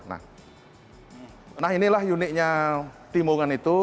nah inilah uniknya timbungan itu